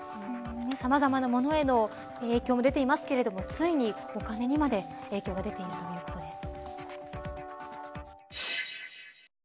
さまざまなものへの影響も出ていますけれどもついに、お金にまで影響が出ているということです。